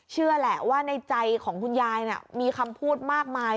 เชื่อแหละว่าในใจของคุณยายมีคำพูดมากมาย